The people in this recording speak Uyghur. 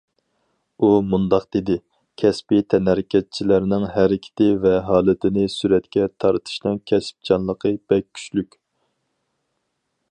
ئۇ مۇنداق دېدى: كەسپىي تەنھەرىكەتچىلەرنىڭ ھەرىكىتى ۋە ھالىتىنى سۈرەتكە تارتىشنىڭ كەسىپچانلىقى بەك كۈچلۈك.